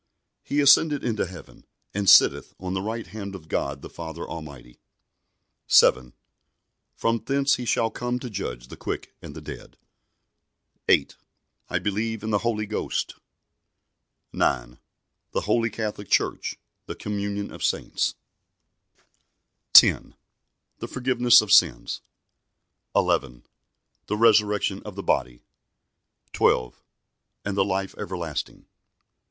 He ascended into heaven, and sitteth on the right hand of God the Father Almighty; 7. From thence He shall come to judge the quick and the dead. 8. I believe in the Holy Ghost, 9. The Holy Catholic Church; the Communion of saints; 10. The Forgiveness of sins; 11. The Resurrection of the body, 12. And the Life Everlasting.